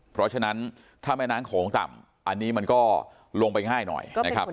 เพราะฉะนั้นถ้าแม่น้ำโขงต่ำอันนี้มันก็ลงไปง่ายหน่อยนะครับ